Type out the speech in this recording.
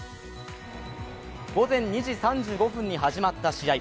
午前２時３５分に始まった試合。